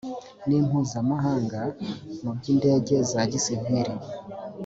nimpuzamahanga mu by’ indege za gisivili.